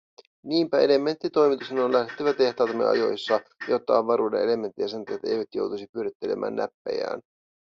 Niinpä elementtitoimitusten on lähdettävä tehtaaltamme ajoissa, jotta avaruuden elementtiasentajat eivät joutuisi pyörittelemään näppejään.